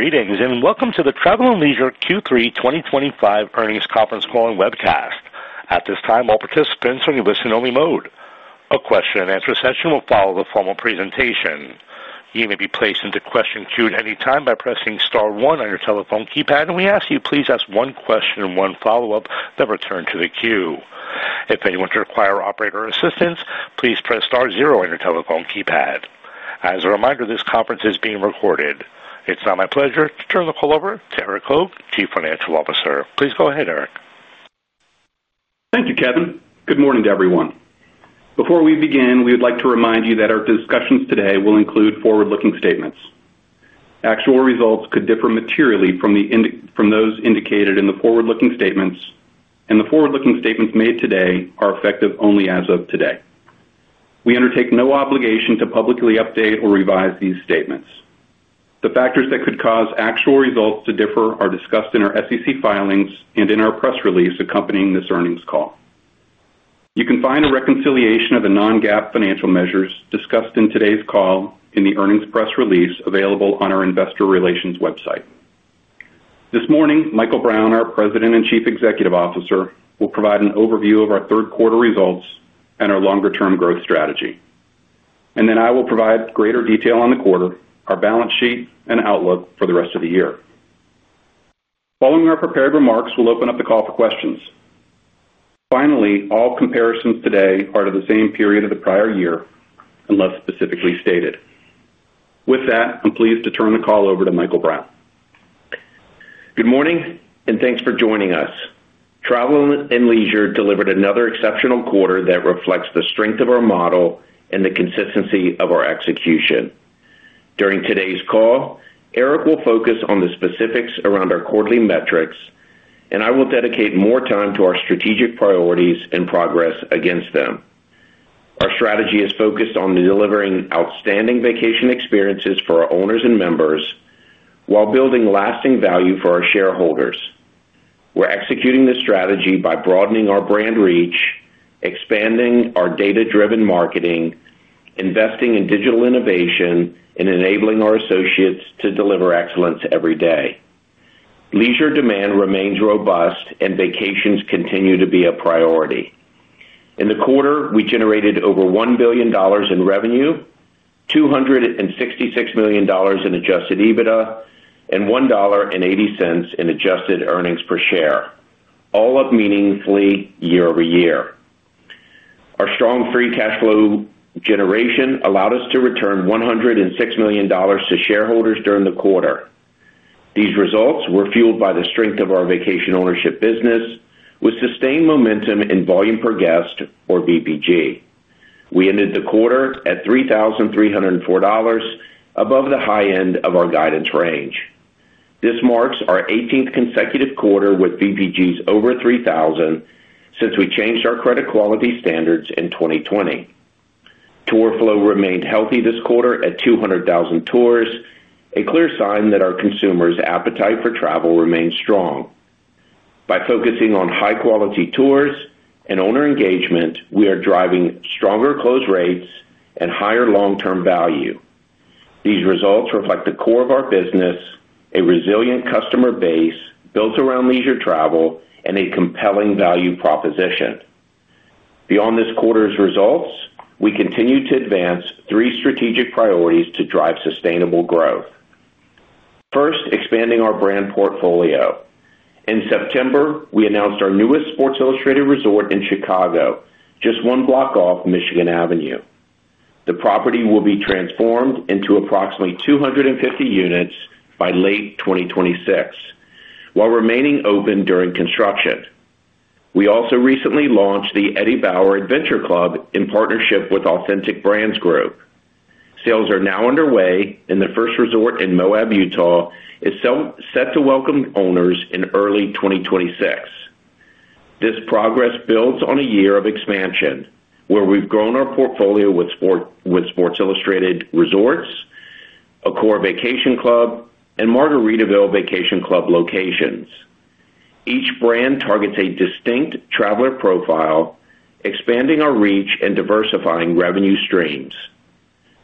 Greetings and welcome to the Travel + Leisure Co. Q3 2025 earnings conference call and webcast. At this time, all participants are in a listen-only mode. A question and answer session will follow the formal presentation. You may be placed into the question queue at any time by pressing star one on your telephone keypad, and we ask that you please ask one question and one follow-up, then return to the queue. If anyone should require operator assistance, please press star zero on your telephone keypad. As a reminder, this conference is being recorded. It's now my pleasure to turn the call over to Erik Hoag, Chief Financial Officer. Please go ahead, Erik. Thank you, Kevin. Good morning to everyone. Before we begin, we would like to remind you that our discussions today will include forward-looking statements. Actual results could differ materially from those indicated in the forward-looking statements, and the forward-looking statements made today are effective only as of today. We undertake no obligation to publicly update or revise these statements. The factors that could cause actual results to differ are discussed in our SEC filings and in our press release accompanying this earnings call. You can find a reconciliation of the non-GAAP financial measures discussed in today's call in the earnings press release available on our investor relations website. This morning, Michael Brown, our President and Chief Executive Officer, will provide an overview of our third quarter results and our longer-term growth strategy. I will provide greater detail on the quarter, our balance sheet, and outlook for the rest of the year. Following our prepared remarks, we'll open up the call for questions. Finally, all comparisons today are to the same period of the prior year unless specifically stated. With that, I'm pleased to turn the call over to Michael Brown. Good morning and thanks for joining us. Travel + Leisure Co. delivered another exceptional quarter that reflects the strength of our model and the consistency of our execution. During today's call, Erik will focus on the specifics around our quarterly metrics, and I will dedicate more time to our strategic priorities and progress against them. Our strategy is focused on delivering outstanding vacation experiences for our owners and members while building lasting value for our shareholders. We're executing this strategy by broadening our brand reach, expanding our data-driven marketing, investing in digital innovation, and enabling our associates to deliver excellence every day. Leisure demand remains robust, and vacations continue to be a priority. In the quarter, we generated over $1 billion in revenue, $266 million in adjusted EBITDA, and $1.80 in adjusted EPS, all up meaningfully year over year. Our strong free cash flow generation allowed us to return $106 million to shareholders during the quarter. These results were fueled by the strength of our Vacation Ownership business, with sustained momentum in VPG. We ended the quarter at $3,304, above the high end of our guidance range. This marks our 18th consecutive quarter with VPGs over $3,000 since we changed our credit quality standards in 2020. Tour flow remained healthy this quarter at 200,000 tours, a clear sign that our consumers' appetite for travel remains strong. By focusing on high-quality tours and owner engagement, we are driving stronger close rates and higher long-term value. These results reflect the core of our business: a resilient customer base built around leisure travel and a compelling value proposition. Beyond this quarter's results, we continue to advance three strategic priorities to drive sustainable growth. First, expanding our brand portfolio. In September, we announced our newest Sports Illustrated Resorts in Chicago, just one block off Michigan Avenue. The property will be transformed into approximately 250 units by late 2026, while remaining open during construction. We also recently launched the Eddie Bauer Adventure Club in partnership with Authentic Brands Group. Sales are now underway, and the first resort in Moab, Utah, is set to welcome owners in early 2026. This progress builds on a year of expansion, where we've grown our portfolio with Sports Illustrated Resorts, a core vacation club, and Margaritaville Vacation Club locations. Each brand targets a distinct traveler profile, expanding our reach and diversifying revenue streams.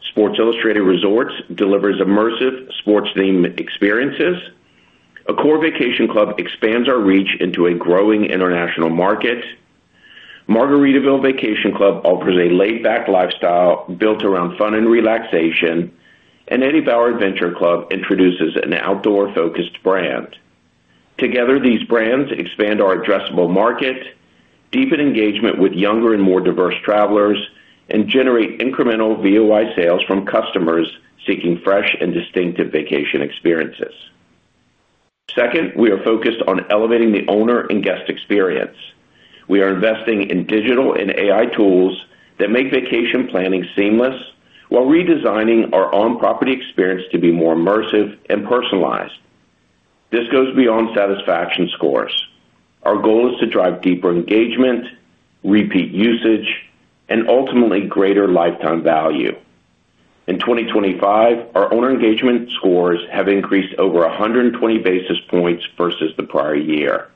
Sports Illustrated Resorts delivers immersive sports-themed experiences. A core vacation club expands our reach into a growing international market. Margaritaville Vacation Club offers a laid-back lifestyle built around fun and relaxation, and Eddie Bauer Adventure Club introduces an outdoor-focused brand. Together, these brands expand our addressable market, deepen engagement with younger and more diverse travelers, and generate incremental VOI sales from customers seeking fresh and distinctive vacation experiences. Second, we are focused on elevating the owner and guest experience. We are investing in digital and AI tools that make vacation planning seamless, while redesigning our on-property experience to be more immersive and personalized. This goes beyond satisfaction scores. Our goal is to drive deeper engagement, repeat usage, and ultimately greater lifetime value. In 2025, our owner engagement scores have increased over 120 basis points versus the prior year.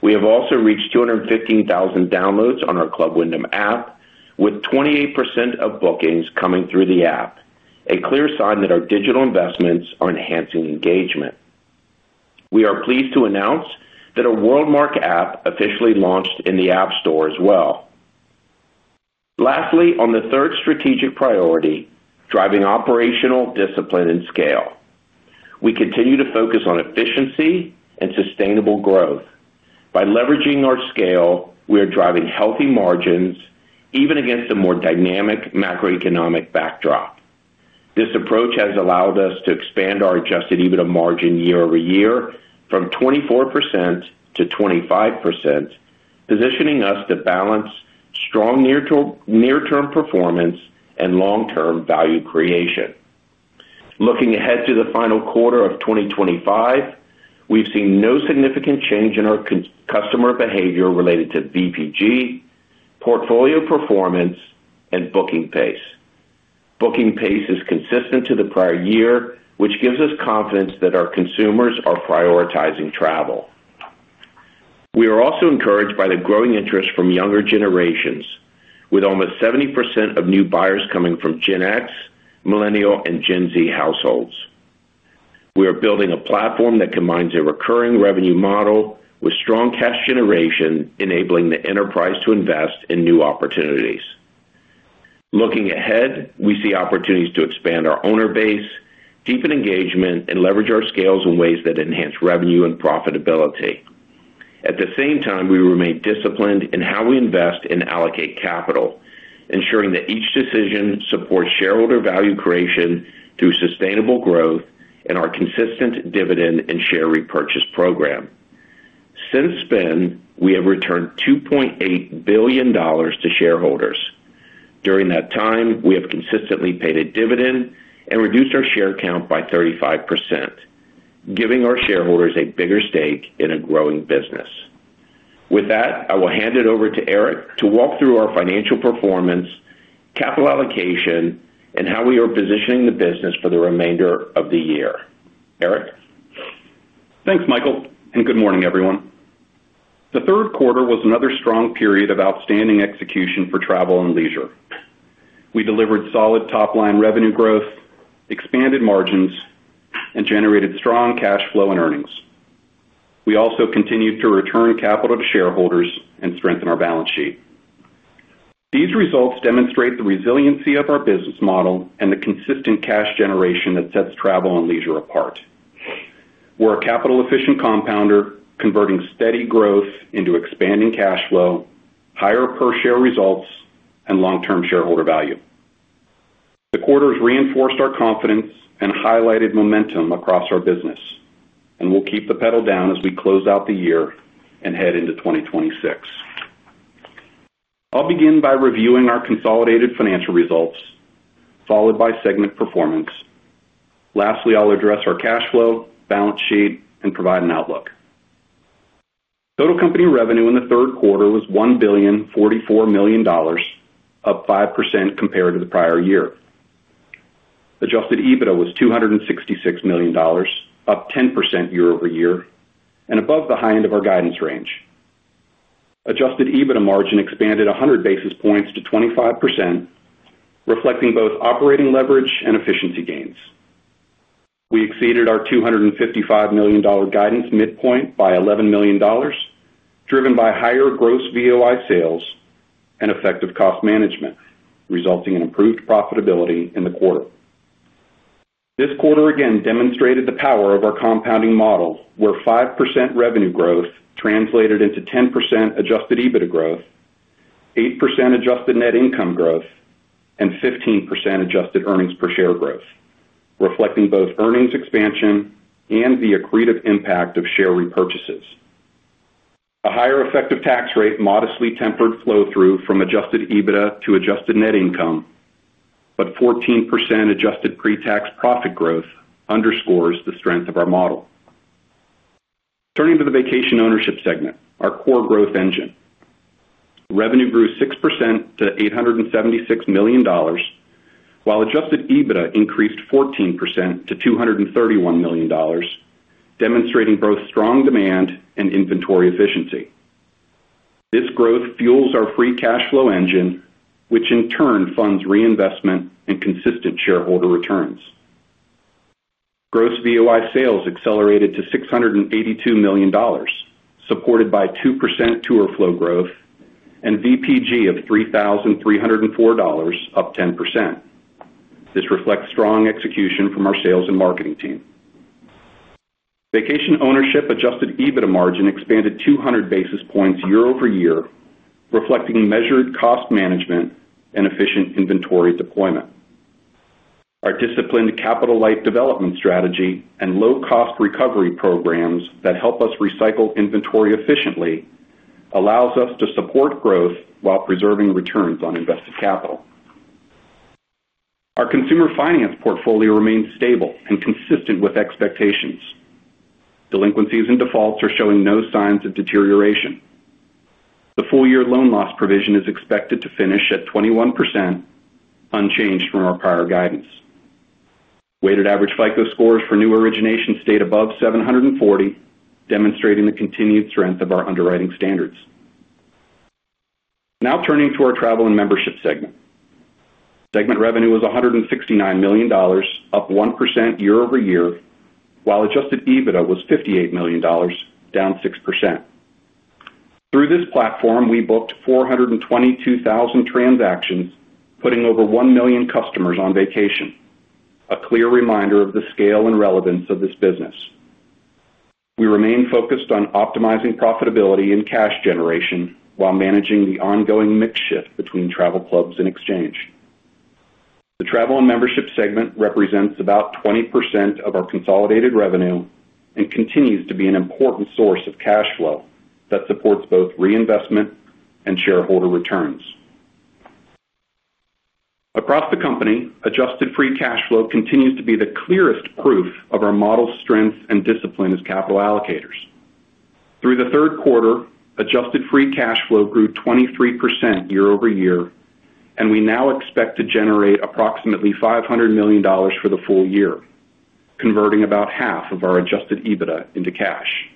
We have also reached 215,000 downloads on our Club Wyndham app, with 28% of bookings coming through the app, a clear sign that our digital investments are enhancing engagement. We are pleased to announce that a WorldMark app officially launched in the App Store as well. Lastly, on the third strategic priority, driving operational discipline and scale. We continue to focus on efficiency and sustainable growth. By leveraging our scale, we are driving healthy margins even against a more dynamic macroeconomic backdrop. This approach has allowed us to expand our adjusted EBITDA margin year over year from 24%-25%, positioning us to balance strong near-term performance and long-term value creation. Looking ahead to the final quarter of 2025, we've seen no significant change in our customer behavior related to VPG, portfolio performance, and booking pace. Booking pace is consistent to the prior year, which gives us confidence that our consumers are prioritizing travel. We are also encouraged by the growing interest from younger generations, with almost 70% of new buyers coming from Gen X, Millennial, and Gen Z households. We are building a platform that combines a recurring revenue model with strong cash generation, enabling the enterprise to invest in new opportunities. Looking ahead, we see opportunities to expand our owner base, deepen engagement, and leverage our scales in ways that enhance revenue and profitability. At the same time, we remain disciplined in how we invest and allocate capital, ensuring that each decision supports shareholder value creation through sustainable growth and our consistent dividend and share repurchase program. Since then, we have returned $2.8 billion to shareholders. During that time, we have consistently paid a dividend and reduced our share count by 35%, giving our shareholders a bigger stake in a growing business. With that, I will hand it over to Erik to walk through our financial performance, capital allocation, and how we are positioning the business for the remainder of the year. Erik? Thanks, Michael, and good morning, everyone. The third quarter was another strong period of outstanding execution for Travel + Leisure Co. We delivered solid top-line revenue growth, expanded margins, and generated strong cash flow and earnings. We also continued to return capital to shareholders and strengthen our balance sheet. These results demonstrate the resiliency of our business model and the consistent cash generation that sets Travel + Leisure Co. apart. We're a capital-efficient compounder, converting steady growth into expanding cash flow, higher per-share results, and long-term shareholder value. The quarters reinforced our confidence and highlighted momentum across our business, and we'll keep the pedal down as we close out the year and head into 2026. I'll begin by reviewing our consolidated financial results, followed by segment performance. Lastly, I'll address our cash flow, balance sheet, and provide an outlook. Total company revenue in the third quarter was $1,044,000,000, up 5% compared to the prior year. Adjusted EBITDA was $266 million, up 10% year over year, and above the high end of our guidance range. Adjusted EBITDA margin expanded 100 basis points to 25%, reflecting both operating leverage and efficiency gains. We exceeded our $255 million guidance midpoint by $11,000,000, driven by higher gross VOI sales and effective cost management, resulting in improved profitability in the quarter. This quarter again demonstrated the power of our compounding model, where 5% revenue growth translated into 10% adjusted EBITDA growth, 8% adjusted net income growth, and 15% adjusted EPS growth, reflecting both earnings expansion and the accretive impact of share repurchases. A higher effective tax rate modestly tempered flow-through from adjusted EBITDA to adjusted net income, but 14% adjusted pre-tax profit growth underscores the strength of our model. Turning to the Vacation Ownership segment, our core growth engine, revenue grew 6% to $876,000,000, while adjusted EBITDA increased 14% to $231,000,000, demonstrating both strong demand and inventory efficiency. This growth fuels our free cash flow engine, which in turn funds reinvestment and consistent shareholder returns. Gross VOI sales accelerated to $682,000,000, supported by 2% tour flow growth and VPG of $3,304, up 10%. This reflects strong execution from our sales and marketing team. Vacation Ownership adjusted EBITDA margin expanded 200 basis points year over year, reflecting measured cost management and efficient inventory deployment. Our disciplined capital allocation development strategy and low-cost recovery programs that help us recycle inventory efficiently allow us to support growth while preserving returns on invested capital. Our consumer finance portfolio remains stable and consistent with expectations. Delinquencies and defaults are showing no signs of deterioration. The full-year loan loss provision is expected to finish at 21%, unchanged from our prior guidance. Weighted average FICO scores for new origination stayed above 740, demonstrating the continued strength of our underwriting standards. Now turning to our Travel and Membership segment. Segment revenue was $169 million, up 1% year over year, while adjusted EBITDA was $58 million, down 6%. Through this platform, we booked 422,000 transactions, putting over 1 million customers on vacation, a clear reminder of the scale and relevance of this business. We remain focused on optimizing profitability and cash generation while managing the ongoing mix shift between travel clubs and exchange. The Travel and Membership segment represents about 20% of our consolidated revenue and continues to be an important source of cash flow that supports both reinvestment and shareholder returns. Across the company, adjusted free cash flow continues to be the clearest proof of our model's strength and discipline as capital allocators. Through the third quarter, adjusted free cash flow grew 23% year over year, and we now expect to generate approximately $500 million for the full year, converting about half of our adjusted EBITDA into cash.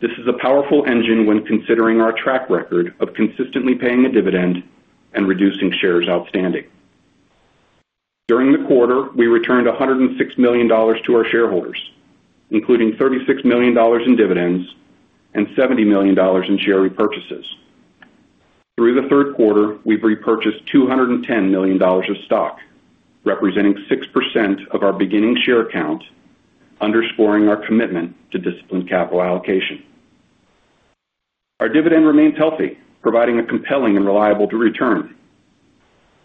This is a powerful engine when considering our track record of consistently paying a dividend and reducing shares outstanding. During the quarter, we returned $106 million to our shareholders, including $36 million in dividends and $70 million in share repurchases. Through the third quarter, we've repurchased $210 million of stock, representing 6% of our beginning share count, underscoring our commitment to disciplined capital allocation. Our dividend remains healthy, providing a compelling and reliable return.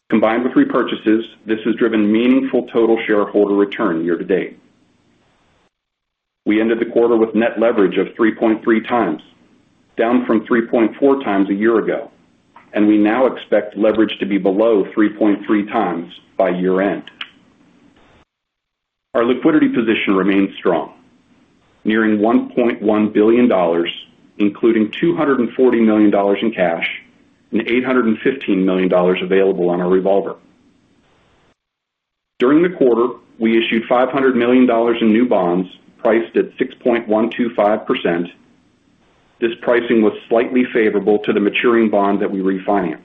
Combined with repurchases, this has driven meaningful total shareholder return year to date. We ended the quarter with net leverage of 3.3 times, down from 3.4 times a year ago, and we now expect leverage to be below 3.3 times by year-end. Our liquidity position remains strong, nearing $1.1 billion, including $240 million in cash and $815 million available on our revolver. During the quarter, we issued $500 million in new bonds, priced at 6.125%. This pricing was slightly favorable to the maturing bond that we refinanced.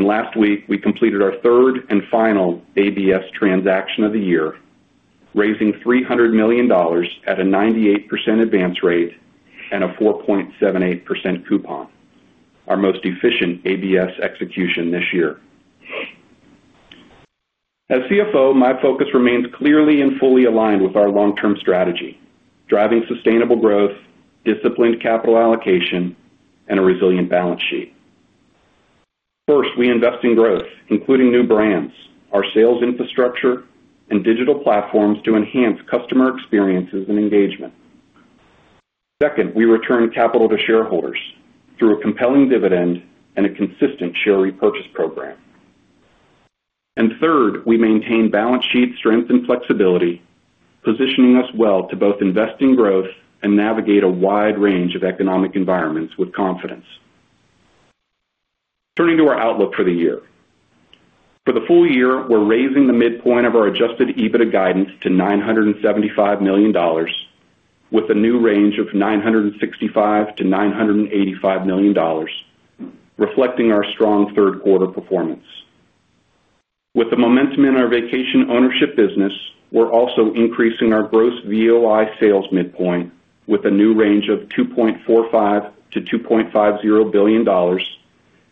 Last week, we completed our third and final ABS transaction of the year, raising $300 million at a 98% advance rate and a 4.78% coupon, our most efficient ABS execution this year. As CFO, my focus remains clearly and fully aligned with our long-term strategy, driving sustainable growth, disciplined capital allocation, and a resilient balance sheet. First, we invest in growth, including new brands, our sales infrastructure, and digital platforms to enhance customer experiences and engagement. Second, we return capital to shareholders through a compelling dividend and a consistent share repurchase program. Third, we maintain balance sheet strength and flexibility, positioning us well to both invest in growth and navigate a wide range of economic environments with confidence. Turning to our outlook for the year. For the full year, we're raising the midpoint of our adjusted EBITDA guidance to $975 million, with a new range of $965 million-$985 million, reflecting our strong third quarter performance. With the momentum in our vacation ownership business, we're also increasing our gross VOI sales midpoint with a new range of $2.45 billion-$2.50 billion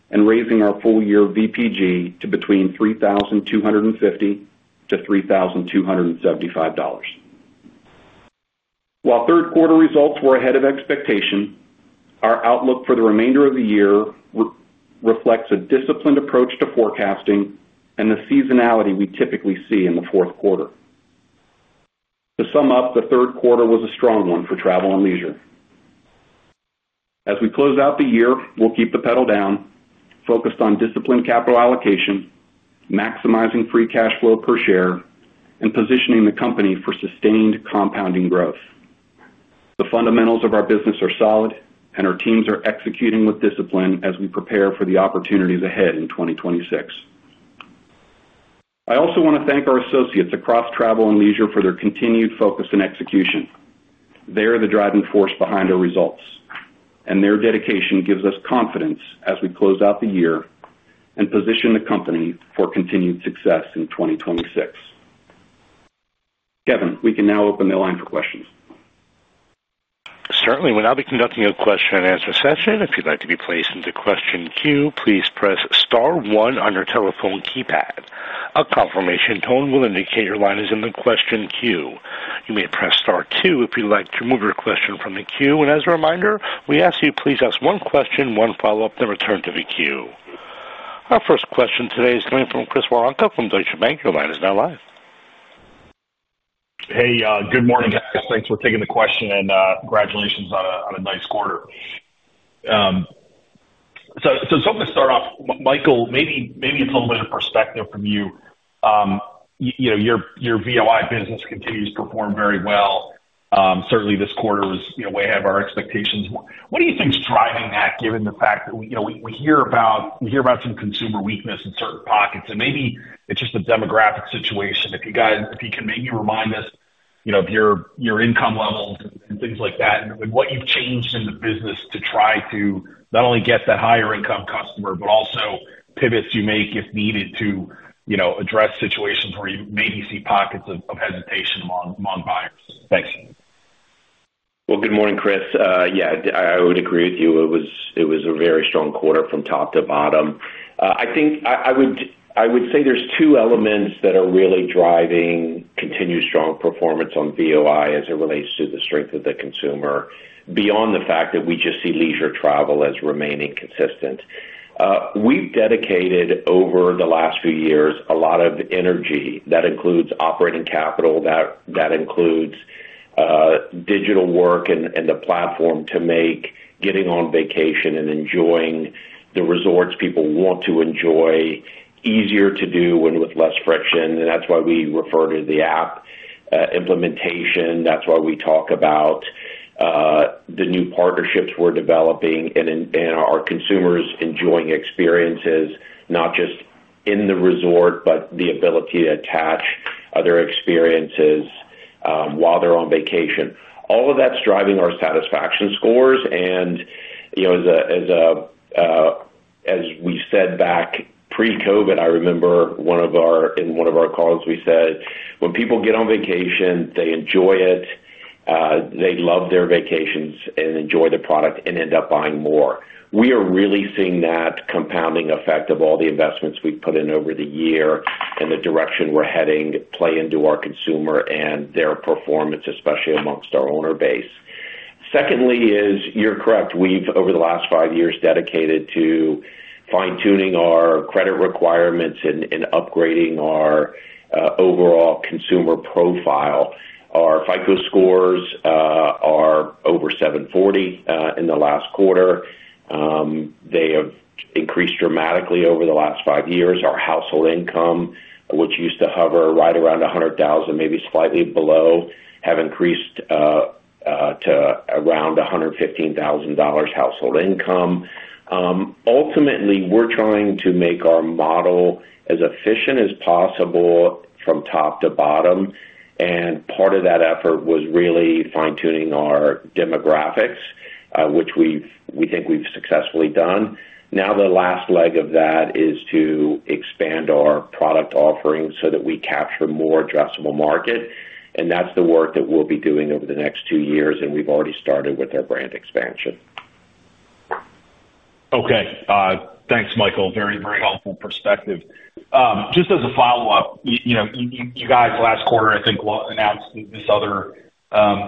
and raising our full-year VPG to between $3,250-$3,275. While third quarter results were ahead of expectation, our outlook for the remainder of the year reflects a disciplined approach to forecasting and the seasonality we typically see in the fourth quarter. To sum up, the third quarter was a strong one for Travel + Leisure. As we close out the year, we'll keep the pedal down, focused on disciplined capital allocation, maximizing free cash flow per share, and positioning the company for sustained compounding growth. The fundamentals of our business are solid, and our teams are executing with discipline as we prepare for the opportunities ahead in 2026. I also want to thank our associates across Travel + Leisure for their continued focus and execution. They are the driving force behind our results, and their dedication gives us confidence as we close out the year and position the company for continued success in 2026. Kevin, we can now open the line for questions. Certainly. We'll now be conducting a question and answer session. If you'd like to be placed into the question queue, please press star one on your telephone keypad. A confirmation tone will indicate your line is in the question queue. You may press star two if you'd like to remove your question from the queue. As a reminder, we ask that you please ask one question, one follow-up, then return to the queue. Our first question today is coming from Chris Woronka from Deutsche Bank. Your line is now live. Hey, good morning, guys. Thanks for taking the question and congratulations on a nice quarter. I just wanted to start off, Michael, maybe it's a little bit of perspective from you. You know your VOI business continues to perform very well. Certainly, this quarter was way ahead of our expectations. What do you think is driving that, given the fact that we hear about some consumer weakness in certain pockets? Maybe it's just a demographic situation. If you can maybe remind us of your income levels and things like that and what you've changed in the business to try to not only get that higher-income customer, but also pivots you make if needed to address situations where you maybe see pockets of hesitation among buyers. Thanks. Good morning, Chris. I would agree with you. It was a very strong quarter from top to bottom. I think I would say there's two elements that are really driving continued strong performance on VOI as it relates to the strength of the consumer, beyond the fact that we just see leisure travel as remaining consistent. We've dedicated, over the last few years, a lot of energy. That includes operating capital. That includes digital work and the platform to make getting on vacation and enjoying the resorts people want to enjoy easier to do and with less friction. That is why we refer to the app implementation. That is why we talk about the new partnerships we're developing and our consumers enjoying experiences, not just in the resort, but the ability to attach other experiences while they're on vacation. All of that is driving our satisfaction scores. As we said back pre-COVID, I remember in one of our calls, we said, "When people get on vacation, they enjoy it. They love their vacations and enjoy the product and end up buying more." We are really seeing that compounding effect of all the investments we've put in over the year and the direction we're heading play into our consumer and their performance, especially amongst our owner base. Secondly, you're correct, we've, over the last five years, dedicated to fine-tuning our credit requirements and upgrading our overall consumer profile. Our FICO scores are over 740 in the last quarter. They have increased dramatically over the last five years. Our household income, which used to hover right around $100,000, maybe slightly below, has increased to around $115,000 household income. Ultimately, we're trying to make our model as efficient as possible from top to bottom. Part of that effort was really fine-tuning our demographics, which we think we've successfully done. Now the last leg of that is to expand our product offerings so that we capture a more addressable market. That is the work that we'll be doing over the next two years. We've already started with our brand expansion. Okay. Thanks, Michael. Very, very helpful perspective. Just as a follow-up, you know, you guys last quarter, I think, announced this other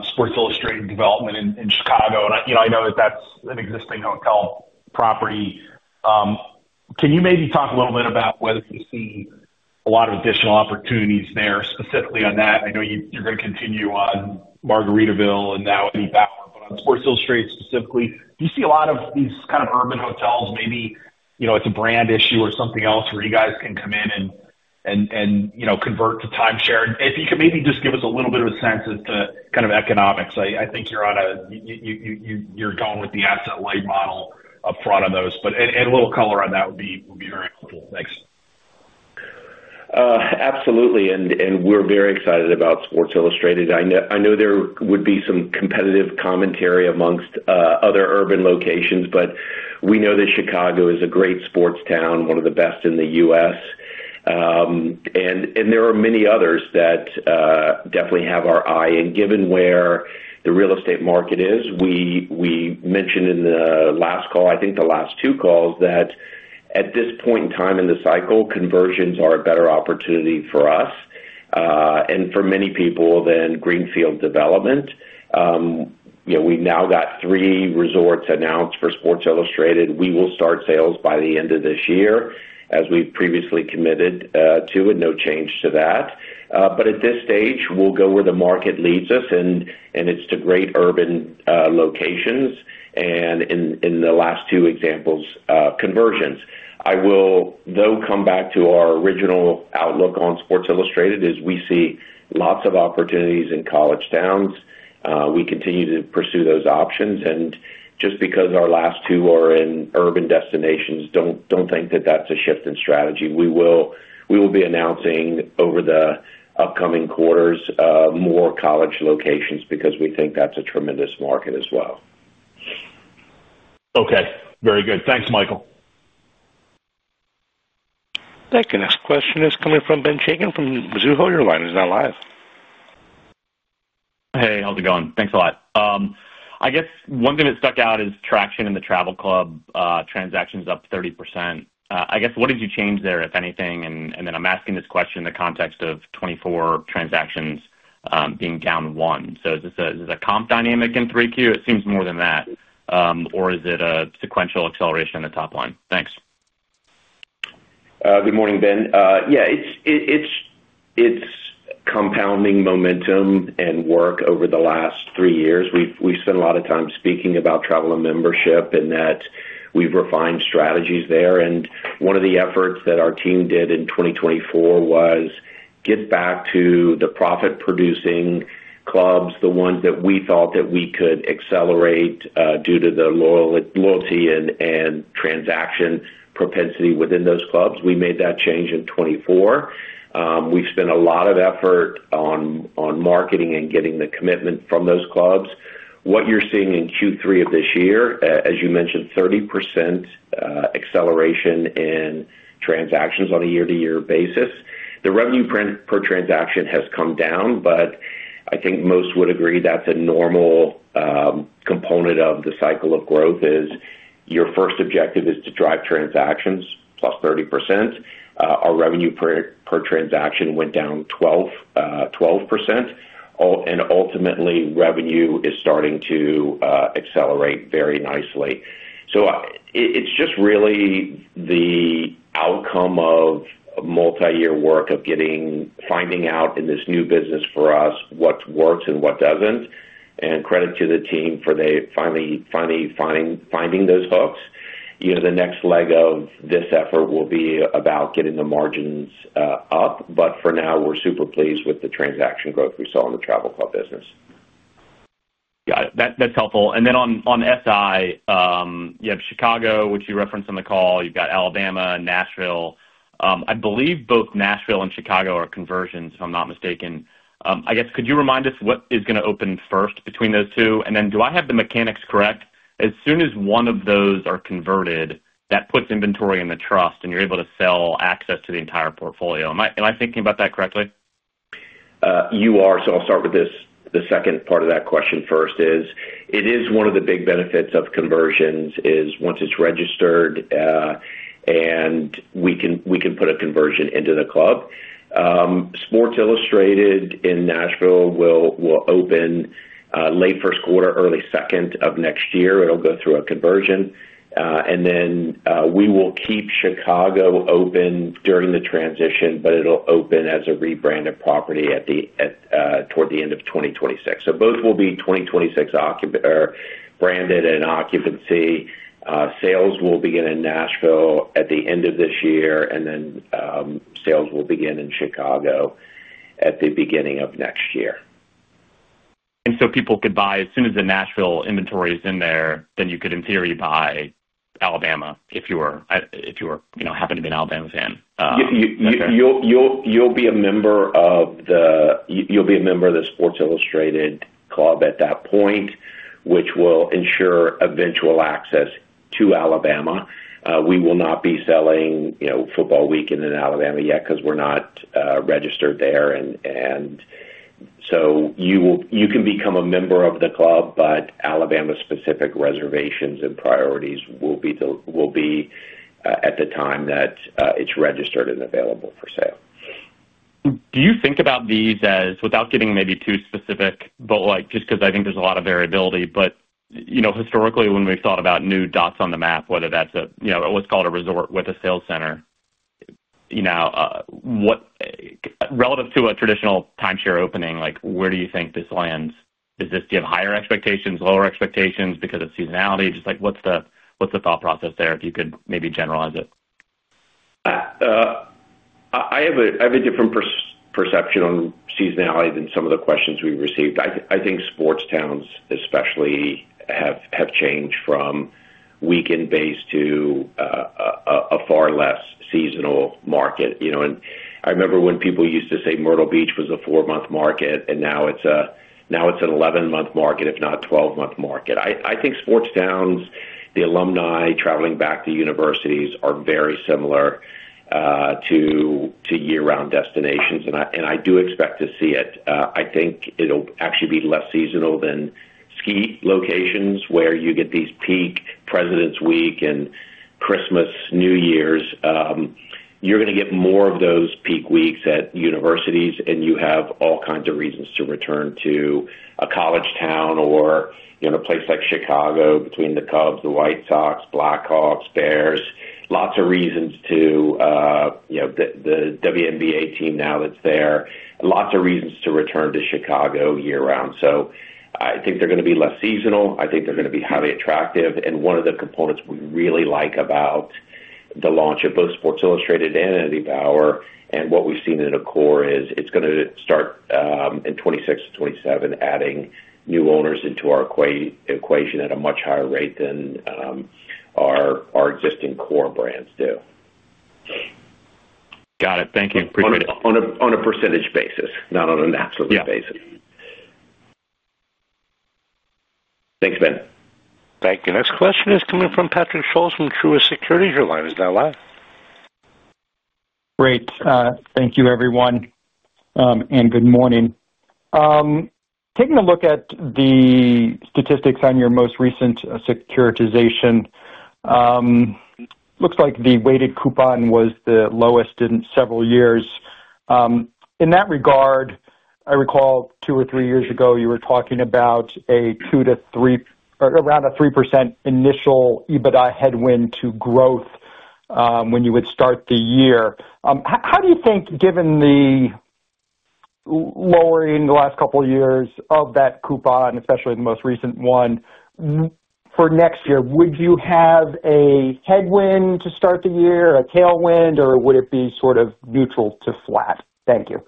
Sports Illustrated Resorts development in Chicago. I know that that's an existing hotel property. Can you maybe talk a little bit about whether you see a lot of additional opportunities there, specifically on that? I know you're going to continue on Margaritaville and now Eddie Bauer Adventure Club, but on Sports Illustrated Resorts specifically, do you see a lot of these kind of urban hotels? Maybe you know it's a brand issue or something else where you guys can come in and, you know, convert to timeshare. If you could maybe just give us a little bit of a sense as to kind of economics. I think you're going with the asset-led model up front of those. Add a little color on that would be very helpful. Thanks. Absolutely. We're very excited about Sports Illustrated Resorts. I know there would be some competitive commentary amongst other urban locations, but we know that Chicago is a great sports town, one of the best in the U.S. There are many others that definitely have our eye. Given where the real estate market is, we mentioned in the last call, I think the last two calls, that at this point in time in the cycle, conversions are a better opportunity for us and for many people than Greenfield development. We've now got three resorts announced for Sports Illustrated Resorts. We will start sales by the end of this year, as we've previously committed to, and no change to that. At this stage, we'll go where the market leads us. It's to great urban locations. In the last two examples, conversions. I will, though, come back to our original outlook on Sports Illustrated Resorts, as we see lots of opportunities in college towns. We continue to pursue those options. Just because our last two are in urban destinations, don't think that that's a shift in strategy. We will be announcing over the upcoming quarters more college locations because we think that's a tremendous market as well. Okay. Very good. Thanks, Michael. Thank you. Next question is coming from Ben Chaiken from Mizuho Securities. Your line is now live. Hey, how's it going? Thanks a lot. I guess one thing that stuck out is traction in the travel club. Transactions up 30%. I guess what did you change there, if anything? I'm asking this question in the context of 2024 transactions being down one. Is this a comp dynamic in 3Q? It seems more than that. Is it a sequential acceleration in the top line? Thanks. Good morning, Ben. Yeah, it's compounding momentum and work over the last three years. We've spent a lot of time speaking about Travel and Membership and that we've refined strategies there. One of the efforts that our team did in 2024 was get back to the profit-producing clubs, the ones that we thought that we could accelerate due to the loyalty and transaction propensity within those clubs. We made that change in 2024. We've spent a lot of effort on marketing and getting the commitment from those clubs. What you're seeing in Q3 of this year, as you mentioned, is 30% acceleration in transactions on a year-to-year basis. The revenue per transaction has come down, but I think most would agree that's a normal component of the cycle of growth. Your first objective is to drive transactions plus 30%. Our revenue per transaction went down 12%. Ultimately, revenue is starting to accelerate very nicely. It's just really the outcome of multi-year work of finding out in this new business for us what works and what doesn't. Credit to the team for finally finding those hooks. The next leg of this effort will be about getting the margins up. For now, we're super pleased with the transaction growth we saw in the travel club business. Got it. That's helpful. On Sports Illustrated Resorts, you have Chicago, which you referenced in the call. You've got Alabama and Nashville. I believe both Nashville and Chicago are conversions, if I'm not mistaken. Could you remind us what is going to open first between those two? Do I have the mechanics correct? As soon as one of those are converted, that puts inventory in the trust, and you're able to sell access to the entire portfolio. Am I thinking about that correctly? I'll start with this. The second part of that question first is it is one of the big benefits of conversions, is once it's registered, and we can put a conversion into the club. Sports Illustrated Resorts in Nashville will open late first quarter, early second of next year. It'll go through a conversion. We will keep Chicago open during the transition, but it'll open as a rebranded property toward the end of 2026. Both will be branded in occupancy. Sales will begin in Nashville at the end of this year, and then sales will begin in Chicago at the beginning of next year. People could buy as soon as the Nashville inventory is in there, then you could in theory buy Alabama if you were happening to be an Alabama fan. You'll be a member of the Sports Illustrated Resorts club at that point, which will ensure eventual access to Alabama. We will not be selling Football Weekend in Alabama yet because we're not registered there. You can become a member of the club, but Alabama-specific reservations and priorities will be at the time that it's registered and available for sale. Do you think about these as, without getting maybe too specific, just because I think there's a lot of variability, but you know historically when we've thought about new dots on the map, whether that's a, you know, let's call it a resort with a sales center relative to a traditional timeshare opening, where do you think this lands? Do you have higher expectations, lower expectations because of seasonality? What's the thought process there if you could maybe generalize it? I have a different perception on seasonality than some of the questions we've received. I think sports towns especially have changed from weekend-based to a far less seasonal market. I remember when people used to say Myrtle Beach was a four-month market, and now it's an 11-month market, if not a 12-month market. I think sports towns, the alumni traveling back to universities are very similar to year-round destinations. I do expect to see it. I think it'll actually be less seasonal than ski locations where you get these peak Presidents' Week and Christmas, New Year's. You're going to get more of those peak weeks at universities, and you have all kinds of reasons to return to a college town or a place like Chicago between the Cubs, the White Sox, Blackhawks, Bears. Lots of reasons to, you know, the WNBA team now that's there. Lots of reasons to return to Chicago year-round. I think they're going to be less seasonal. I think they're going to be highly attractive. One of the components we really like about the launch of both Sports Illustrated Resorts and Eddie Bauer Adventure Club and what we've seen in the core is it's going to start in 2026-2027, adding new owners into our equation at a much higher rate than our existing core brands do. Got it. Thank you. Appreciate it. On a percentage basis, not on an absolute basis. Thanks, Ben. Thank you. Next question is coming from Patrick Scholes from Truist Securities. Your line is now live. Great. Thank you, everyone, and good morning. Taking a look at the statistics on your most recent securitization, it looks like the weighted coupon was the lowest in several years. In that regard, I recall two or three years ago you were talking about a 2%-3% or around a 3% initial EBITDA headwind to growth when you would start the year. How do you think, given the lowering the last couple of years of that coupon, especially the most recent one, for next year, would you have a headwind to start the year, a tailwind, or would it be sort of neutral to flat? Thank you.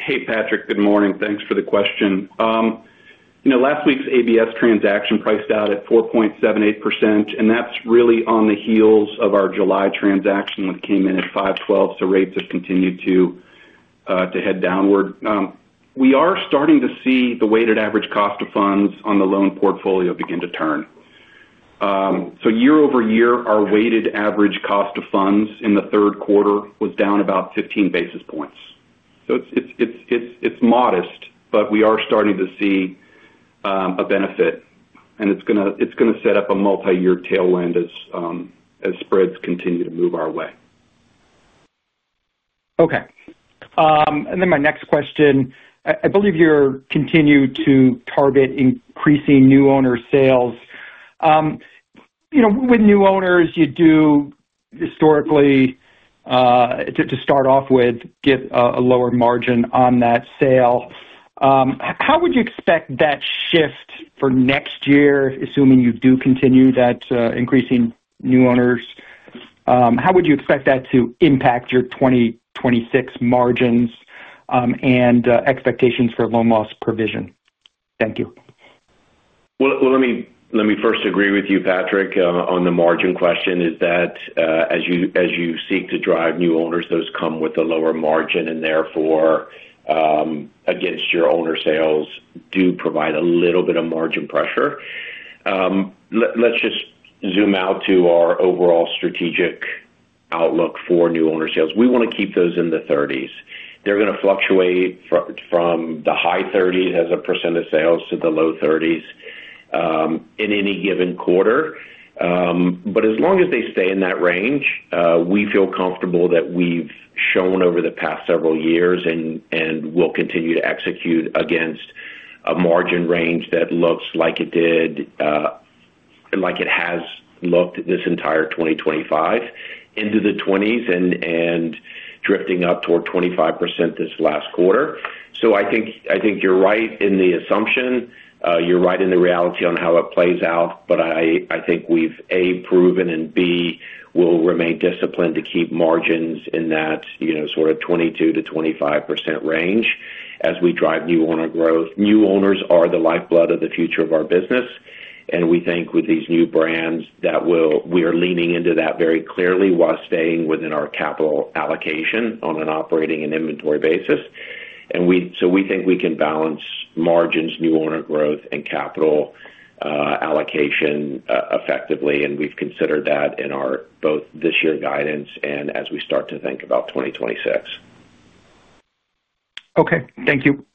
Hey, Patrick. Good morning. Thanks for the question. Last week's ABS transaction priced out at 4.78%, and that's really on the heels of our July transaction, which came in at 5.12%. Rates have continued to head downward. We are starting to see the weighted average cost of funds on the loan portfolio begin to turn. Year over year, our weighted average cost of funds in the third quarter was down about 15 basis points. It's modest, but we are starting to see a benefit. It's going to set up a multi-year tailwind as spreads continue to move our way. Okay. My next question, I believe you continue to target increasing new owner sales. You know, with new owners, you do historically, to start off with, get a lower margin on that sale. How would you expect that shift for next year, assuming you do continue that increasing new owners? How would you expect that to impact your 2026 margins and expectations for loan loss provision? Thank you. Let me first agree with you, Patrick, on the margin question, is that as you seek to drive new owners, those come with a lower margin and therefore against your owner sales do provide a little bit of margin pressure. Let's just zoom out to our overall strategic outlook for new owner sales. We want to keep those in the 30s. They're going to fluctuate from the high 30s as a percentage of sales to the low 30s in any given quarter. As long as they stay in that range, we feel comfortable that we've shown over the past several years and will continue to execute against a margin range that looks like it did, like it has looked this entire 2025 into the 20s and drifting up toward 25% this last quarter. I think you're right in the assumption. You're right in the reality on how it plays out. I think we've A proven and B will remain disciplined to keep margins in that sort of 22%-25% range as we drive new owner growth. New owners are the lifeblood of the future of our business. We think with these new brands that we are leaning into that very clearly while staying within our capital allocation on an operating and inventory basis. We think we can balance margins, new owner growth, and capital allocation effectively. We've considered that in our both this year's guidance and as we start to think about 2026. Okay, thank you.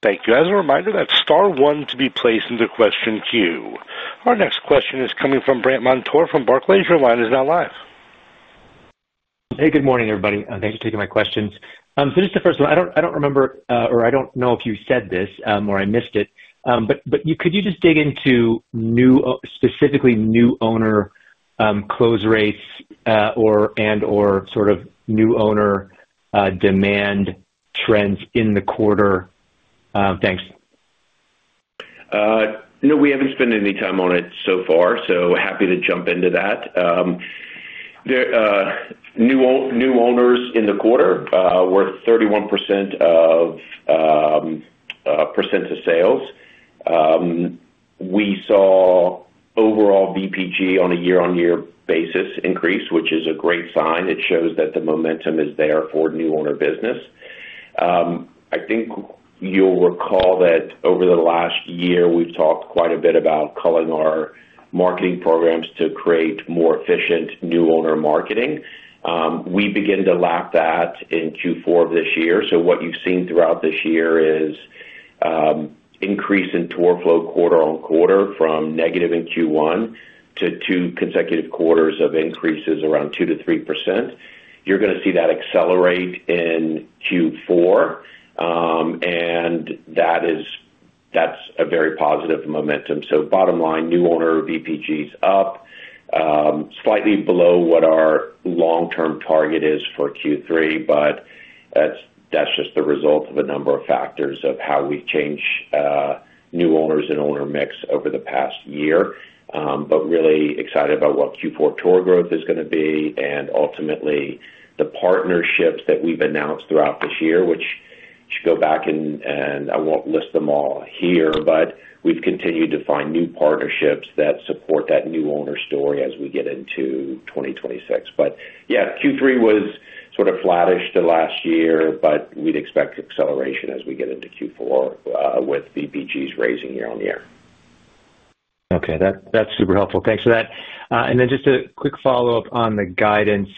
Thank you. As a reminder, that's star one to be placed into the question queue. Our next question is coming from Brandt Montour from Barclays. Your line is now live. Hey, good morning, everybody. Thanks for taking my questions. The first one, I don't remember or I don't know if you said this or I missed it, but could you just dig into specifically new owner close rates and/or sort of new owner demand trends in the quarter? Thanks. We haven't spent any time on it so far, so happy to jump into that. New owners in the quarter were 31% of sales. We saw overall VPG on a year-on-year basis increase, which is a great sign. It shows that the momentum is there for new owner business. I think you'll recall that over the last year, we've talked quite a bit about culling our marketing programs to create more efficient new owner marketing. We began to lap that in Q4 of this year. What you've seen throughout this year is an increase in tour flow quarter on quarter from negative in Q1 to two consecutive quarters of increases around 2%-3%. You're going to see that accelerate in Q4, and that's a very positive momentum. Bottom line, new owner VPG is up, slightly below what our long-term target is for Q3, but that's just the result of a number of factors of how we've changed new owners and owner mix over the past year. Really excited about what Q4 tour growth is going to be and ultimately the partnerships that we've announced throughout this year, which should go back, and I won't list them all here, but we've continued to find new partnerships that support that new owner story as we get into 2026. Q3 was sort of flattish the last year, but we'd expect acceleration as we get into Q4 with VPGs raising year on year. Okay. That's super helpful. Thanks for that. Just a quick follow-up on the guidance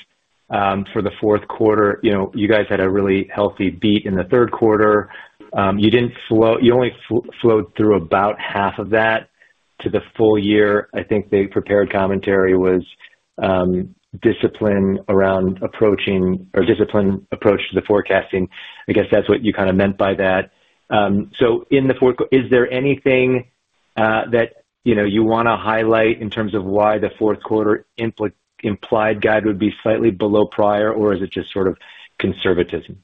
for the fourth quarter. You guys had a really healthy beat in the third quarter. You didn't flow, you only flowed through about half of that to the full year. I think the prepared commentary was discipline around approaching or discipline approach to the forecasting. I guess that's what you kind of meant by that. In the fourth quarter, is there anything that you want to highlight in terms of why the fourth quarter implied guide would be slightly below prior, or is it just sort of conservatism?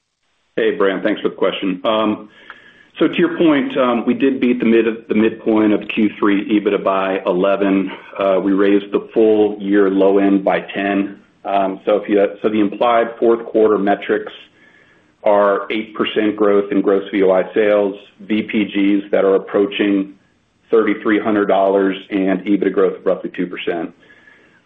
Hey, Bran. Thanks for the question. To your point, we did beat the midpoint of Q3 adjusted EBITDA by 11. We raised the full year low end by 10. The implied fourth quarter metrics are 8% growth in gross VOI sales, VPGs that are approaching $3,300, and adjusted EBITDA growth of roughly 2%.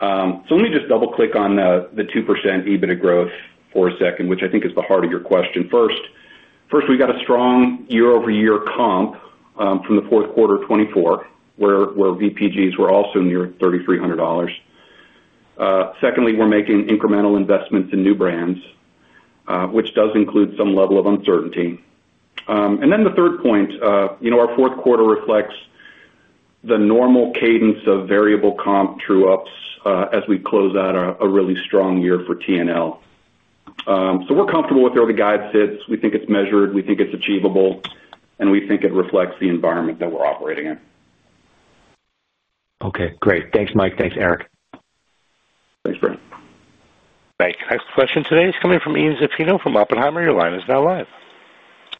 Let me just double-click on the 2% adjusted EBITDA growth for a second, which I think is the heart of your question. First, we got a strong year-over-year comp from the fourth quarter of 2024, where VPGs were also near $3,300. Secondly, we're making incremental investments in new brands, which does include some level of uncertainty. The third point, our fourth quarter reflects the normal cadence of variable comp true-ups as we close out a really strong year for Travel + Leisure Co. We're comfortable with where the guide sits. We think it's measured. We think it's achievable. We think it reflects the environment that we're operating in. Okay. Great. Thanks, Mike. Thanks, Erik. Thanks, Bran. Thanks. Next question today is coming from Ian Zaffino from Oppenheimer. Your line is now live.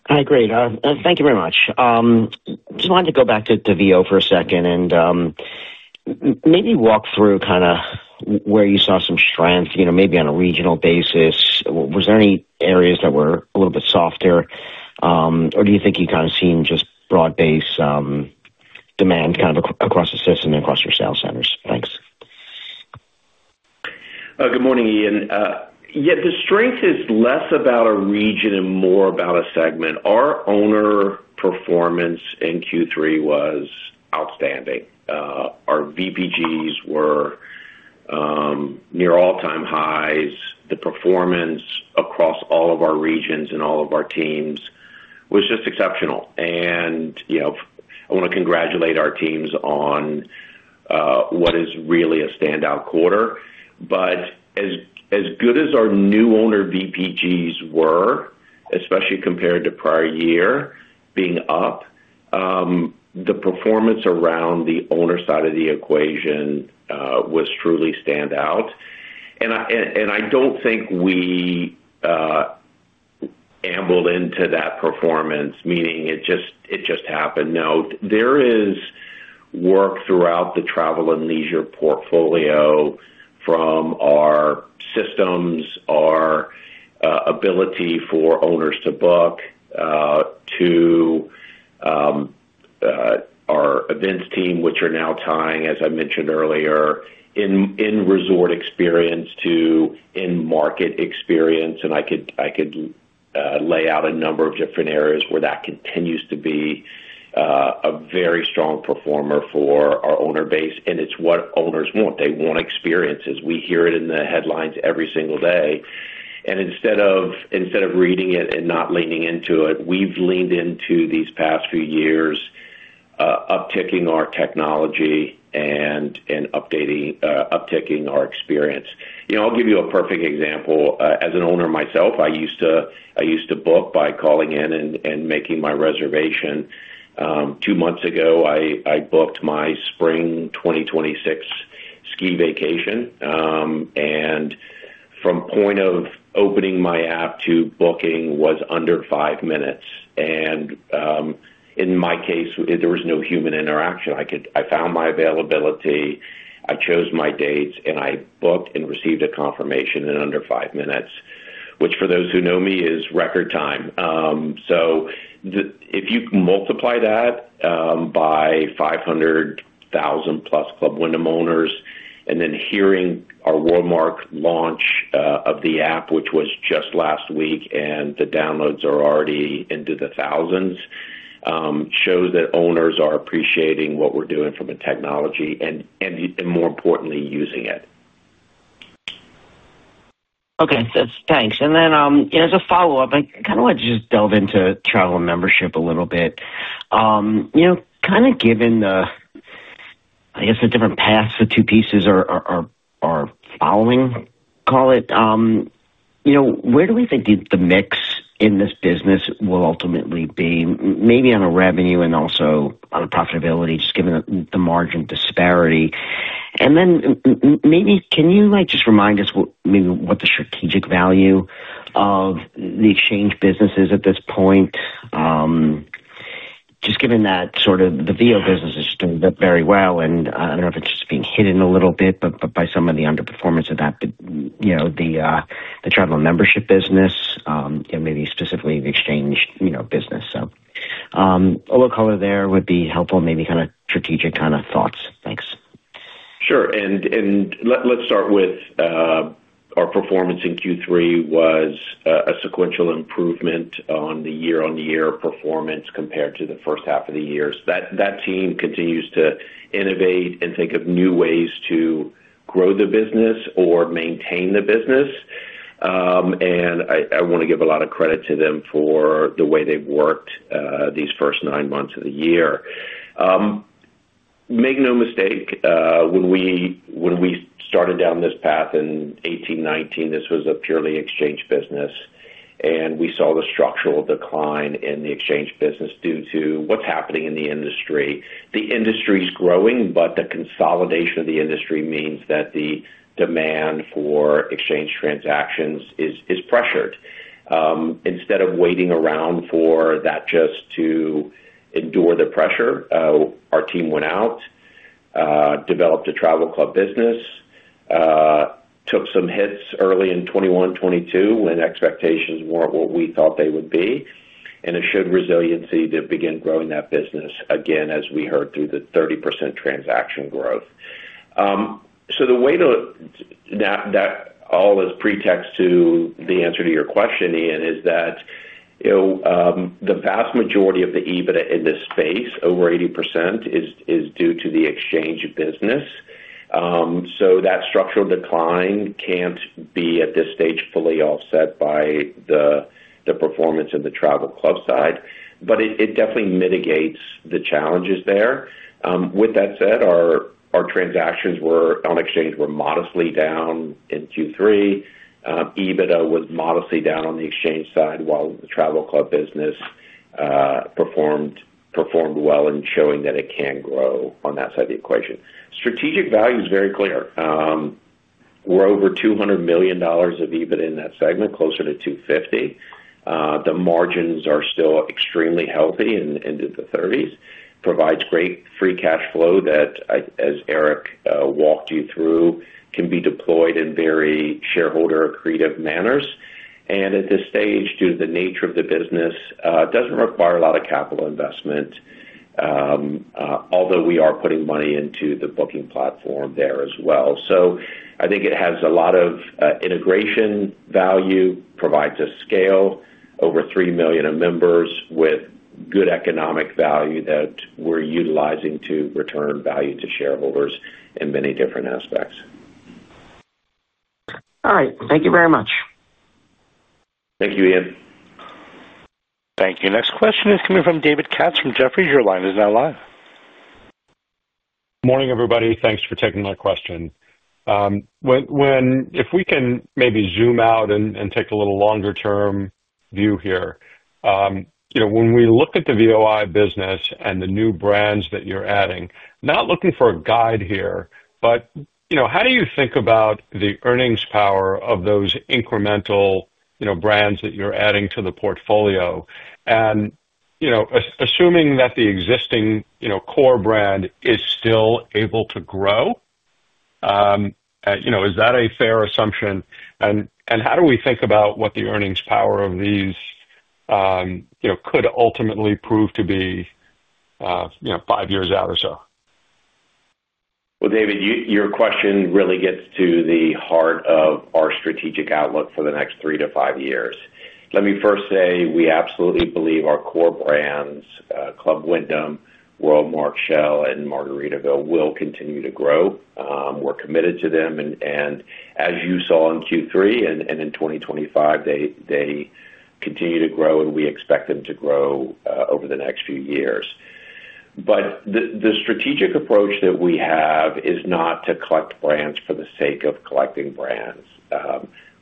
Hi. Great. Thank you very much. I just wanted to go back to VO for a second and maybe walk through kind of where you saw some strengths, you know, maybe on a regional basis. Was there any areas that were a little bit softer? Do you think you kind of seen just broad-based demand kind of across the system and across your sales centers? Thanks. Good morning, Ian. Yeah, the strength is less about a region and more about a segment. Our owner performance in Q3 was outstanding. Our VPGs were near all-time highs. The performance across all of our regions and all of our teams was just exceptional. I want to congratulate our teams on what is really a standout quarter. As good as our new owner VPGs were, especially compared to prior year being up, the performance around the owner side of the equation was truly standout. I don't think we ambled into that performance, meaning it just happened. There is work throughout the Travel + Leisure Co. portfolio from our systems, our ability for owners to book, to our events team, which are now tying, as I mentioned earlier, in resort experience to in-market experience. I could lay out a number of different areas where that continues to be a very strong performer for our owner base. It's what owners want. They want experiences. We hear it in the headlines every single day. Instead of reading it and not leaning into it, we've leaned into these past few years, upticking our technology and upticking our experience. I'll give you a perfect example. As an owner myself, I used to book by calling in and making my reservation. Two months ago, I booked my spring 2026 ski vacation. From the point of opening my app to booking was under five minutes. In my case, there was no human interaction. I found my availability. I chose my dates, and I booked and received a confirmation in under five minutes, which for those who know me is record time. If you multiply that by 500,000-plus Club Wyndham owners and then hearing our WorldMark launch of the app, which was just last week, and the downloads are already into the thousands, shows that owners are appreciating what we're doing from a technology and, more importantly, using it. Okay. Thanks. As a follow-up, I kind of wanted to just delve into Travel and Membership a little bit. You know, kind of given the, I guess, the different paths the two pieces are following, call it, you know, where do we think the mix in this business will ultimately be, maybe on a revenue and also on a profitability, just given the margin disparity? Maybe can you just remind us maybe what the strategic value of the exchange business is at this point, just given that sort of the VO business is just doing very well? I don't know if it's just being hidden a little bit by some of the underperformance of that, you know, the Travel and Membership business, maybe specifically the exchange business. A little color there would be helpful, maybe kind of strategic kind of thoughts. Thanks. Sure. Let's start with our performance in Q3, which was a sequential improvement on the year-on-year performance compared to the first half of the year. That team continues to innovate and think of new ways to grow the business or maintain the business. I want to give a lot of credit to them for the way they've worked these first nine months of the year. Make no mistake, when we started down this path in 2018, 2019, this was a purely exchange business. We saw the structural decline in the exchange business due to what's happening in the industry. The industry is growing, but the consolidation of the industry means that the demand for exchange transactions is pressured. Instead of waiting around for that just to endure the pressure, our team went out, developed a travel club business, took some hits early in 2021, 2022 when expectations weren't what we thought they would be, and it showed resiliency to begin growing that business again, as we heard through the 30% transaction growth. All of that is pretext to the answer to your question, Ian, that the vast majority of the EBITDA in this space, over 80%, is due to the exchange business. That structural decline can't be at this stage fully offset by the performance in the travel club side. It definitely mitigates the challenges there. With that said, our transactions on exchange were modestly down in Q3. EBITDA was modestly down on the exchange side while the travel club business performed well in showing that it can grow on that side of the equation. Strategic value is very clear. We're over $200 million of EBITDA in that segment, closer to $250 million. The margins are still extremely healthy and into the 30s. Provides great free cash flow that, as Erik walked you through, can be deployed in very shareholder-creative manners. At this stage, due to the nature of the business, it doesn't require a lot of capital investment, although we are putting money into the booking platform there as well. I think it has a lot of integration value, provides us scale over 3 million members with good economic value that we're utilizing to return value to shareholders in many different aspects. All right, thank you very much. Thank you, Ian. Thank you. Next question is coming from David Katz from Jefferies. Your line is now live. Morning, everybody. Thanks for taking my question. If we can maybe zoom out and take a little longer-term view here, when we look at the VOI business and the new brands that you're adding, not looking for a guide here, but how do you think about the earnings power of those incremental brands that you're adding to the portfolio? Assuming that the existing core brand is still able to grow, is that a fair assumption? How do we think about what the earnings power of these could ultimately prove to be five years out or so? David, your question really gets to the heart of our strategic outlook for the next 2 years-3 years. Let me first say we absolutely believe our core brands, Club Wyndham, WorldMark, Shell, and Margaritaville, will continue to grow. We're committed to them. As you saw in Q3 and in 2025, they continue to grow, and we expect them to grow over the next few years. The strategic approach that we have is not to collect brands for the sake of collecting brands.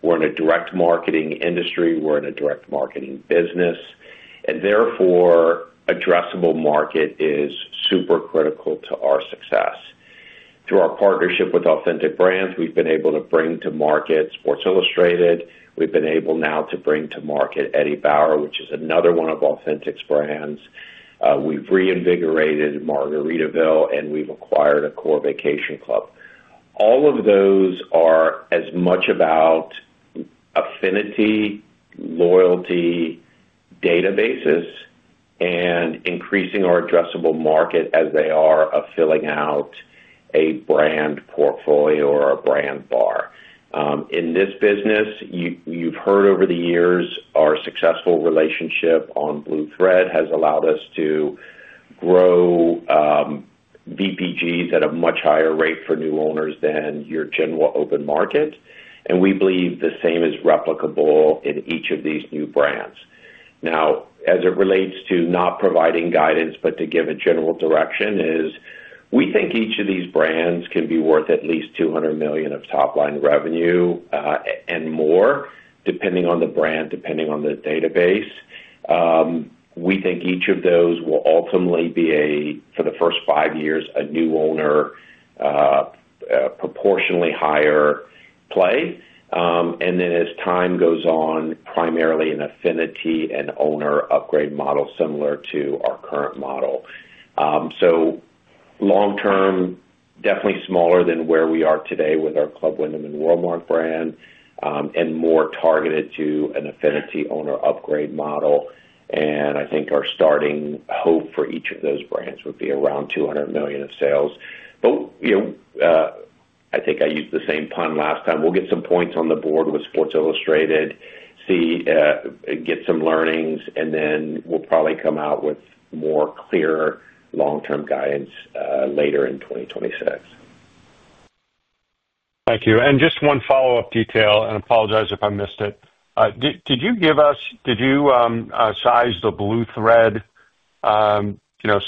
We're in a direct marketing industry. We're in a direct marketing business. Therefore, addressable market is super critical to our success. Through our partnership with Authentic Brands, we've been able to bring to market Sports Illustrated. We've been able now to bring to market Eddie Bauer, which is another one of Authentic's brands. We've reinvigorated Margaritaville, and we've acquired Accor Vacation Club. All of those are as much about affinity, loyalty, databases, and increasing our addressable market as they are about filling out a brand portfolio or a brand bar. In this business, you've heard over the years, our successful relationship on Blue Thread has allowed us to grow VPGs at a much higher rate for new owners than your general open market. We believe the same is replicable in each of these new brands. Now, as it relates to not providing guidance, but to give a general direction, we think each of these brands can be worth at least $200 million of top-line revenue and more, depending on the brand, depending on the database. We think each of those will ultimately be, for the first five years, a new owner proportionately higher play. As time goes on, primarily an affinity and owner upgrade model similar to our current model. Long term, definitely smaller than where we are today with our Club Wyndham and WorldMark brand and more targeted to an affinity owner upgrade model. I think our starting hope for each of those brands would be around $200 million of sales. I think I used the same pun last time. We'll get some points on the board with Sports Illustrated, get some learnings, and then we'll probably come out with more clear long-term guidance later in 2026. Thank you. Just one follow-up detail, and I apologize if I missed it. Did you give us, did you size the Blue Thread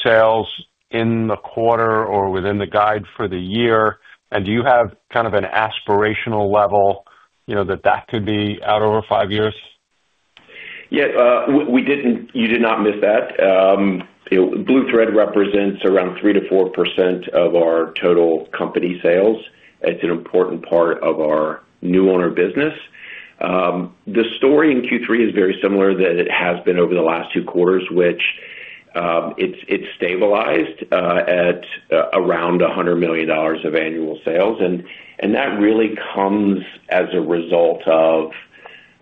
sales in the quarter or within the guide for the year? Do you have kind of an aspirational level that that could be out over five years? Yeah. You did not miss that. Blue Thread represents around 3%-4% of our total company sales. It's an important part of our new owner business. The story in Q3 is very similar to what it has been over the last two quarters, which is it's stabilized at around $100 million of annual sales. That really comes as a result of,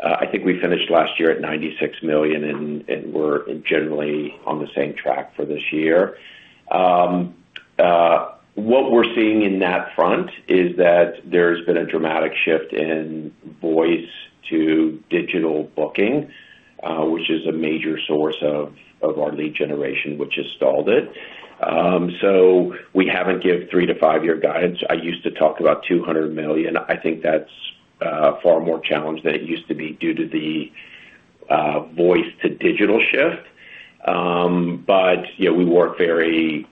I think we finished last year at $96 million, and we're generally on the same track for this year. What we're seeing on that front is that there's been a dramatic shift in voice to digital booking, which is a major source of our lead generation, which has stalled it. We haven't given three to five-year guidance. I used to talk about $200 million. I think that's far more challenged than it used to be due to the voice-to-digital shift. We work very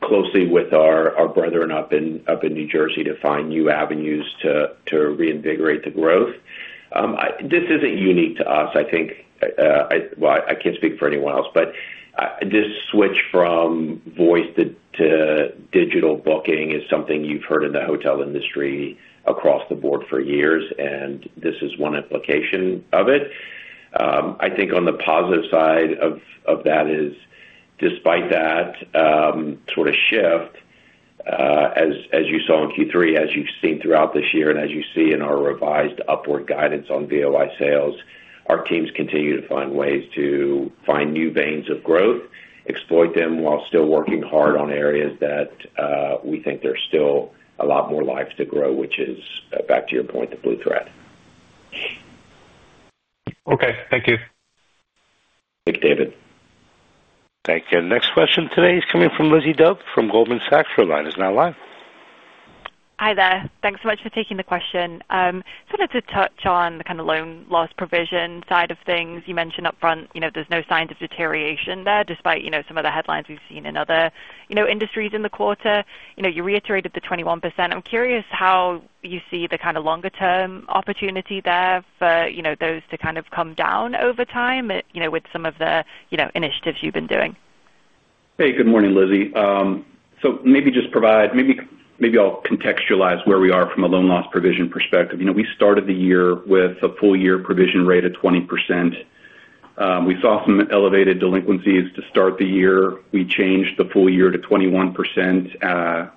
closely with our brethren up in New Jersey to find new avenues to reinvigorate the growth. This isn't unique to us. I can't speak for anyone else, but this switch from voice to digital booking is something you've heard in the hotel industry across the board for years, and this is one implication of it. On the positive side of that, despite that sort of shift, as you saw in Q3, as you've seen throughout this year, and as you see in our revised upward guidance on VOI sales, our teams continue to find ways to find new veins of growth, exploit them while still working hard on areas that we think there's still a lot more lives to grow, which is, back to your point, the Blue Thread. Okay, thank you. Thank you, David. Thank you. Next question today is coming from Lizzie Dove from Goldman Sachs. Her line is now live. Hi there. Thanks so much for taking the question. I just wanted to touch on the kind of loan loss provision side of things. You mentioned upfront, you know, there's no signs of deterioration there despite some of the headlines we've seen in other industries in the quarter. You reiterated the 21%. I'm curious how you see the kind of longer-term opportunity there for those to kind of come down over time with some of the initiatives you've been doing. Hey, good morning, Lizzie. Maybe I'll contextualize where we are from a loan loss provision perspective. We started the year with a full-year provision rate of 20%. We saw some elevated delinquencies to start the year. We changed the full year to 21%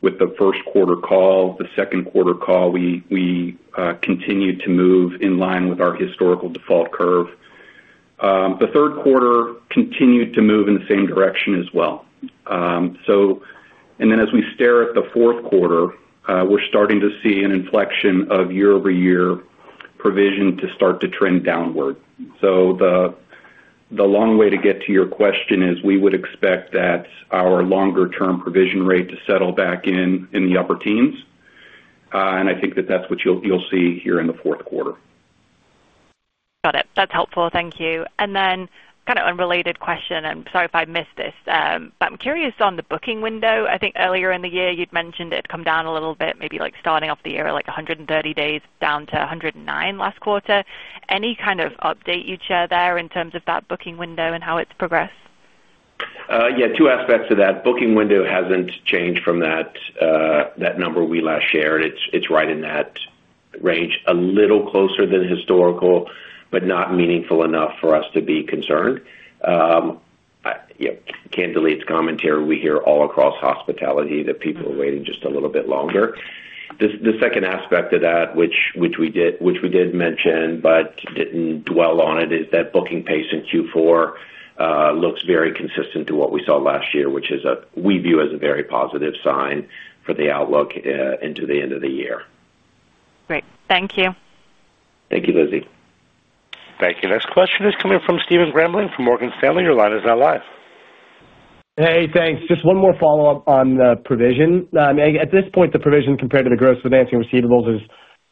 with the first quarter call. The second quarter call, we continued to move in line with our historical default curve. The third quarter continued to move in the same direction as well. As we stare at the fourth quarter, we're starting to see an inflection of year-over-year provision to start to trend downward. The long way to get to your question is we would expect that our longer-term provision rate to settle back in in the upper teens. I think that that's what you'll see here in the fourth quarter. Got it. That's helpful. Thank you. Kind of unrelated question, and sorry if I missed this, but I'm curious on the booking window. I think earlier in the year, you'd mentioned it'd come down a little bit, maybe like starting off the year at 130 days down to 109 last quarter. Any kind of update you'd share there in terms of that booking window and how it's progressed? Yeah, two aspects to that. Booking window hasn't changed from that number we last shared. It's right in that range, a little closer than historical, but not meaningful enough for us to be concerned. Candidly, to commentary, we hear all across hospitality that people are waiting just a little bit longer. The second aspect of that, which we did mention but didn't dwell on it, is that booking pace in Q4 looks very consistent to what we saw last year, which we view as a very positive sign for the outlook into the end of the year. Great, thank you. Thank you, Lizzie. Thank you. Next question is coming from Stephen Grambling from Morgan Stanley. Your line is now live. Hey, thanks. Just one more follow-up on the provision. At this point, the provision compared to the gross financing receivables is